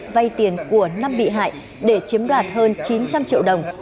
vay tiền của năm bị hại để chiếm đoạt hơn chín trăm linh triệu đồng